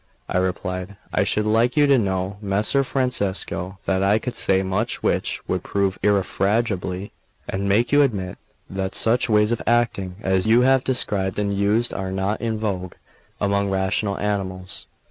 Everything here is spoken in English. I replied: "I should like you to know, Messer Francesco, that I could say much which would prove irrefragably, and make you admit, that such ways of acting as you have described and used are not in vogue among rational animals.